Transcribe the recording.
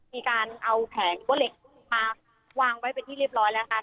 มีการเอาแผงว่าเหล็กมาวางไว้เป็นที่เรียบร้อยแล้วค่ะ